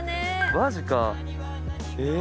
マジかえっ。